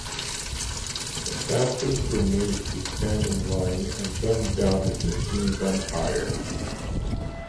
The captives were made to stand in line and gunned down with machine gunfire.